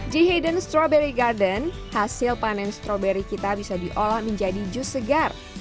jihadan strawberry garden hasil panen stroberi kita bisa diolah menjadi jus segar